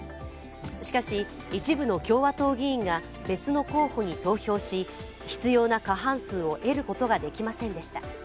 しかし、一部の共和党議員が別の候補に投票し必要な過半数を得ることができませんでした。